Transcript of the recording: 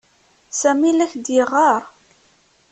Sami la ak-d-yeɣɣar.